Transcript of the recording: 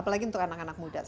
apalagi untuk anak anak muda